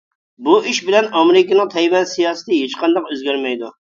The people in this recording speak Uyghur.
بۇ ئىش بىلەن ئامېرىكىنىڭ تەيۋەن سىياسىتى ھېچقانداق ئۆزگەرمەيدۇ.